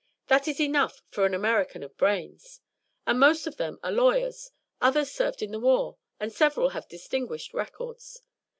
That is enough for an American of brains. And most of them are lawyers; others served in the war, and several have distinguished records.